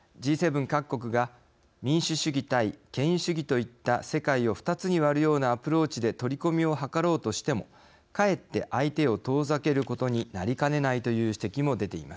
各国が民主主義対権威主義といった世界を２つに割るようなアプローチで取り込みをはかろうとしてもかえって相手を遠ざけることになりかねないという指摘も出ています。